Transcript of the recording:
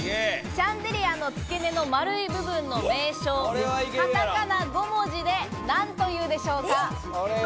シャンデリアの付け根の丸い部分の名称、カタカナ５文字で何というでしょうか？